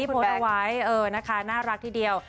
ผนี่โผวรตเอาไว้เออนะคะน่ารักที่เดียว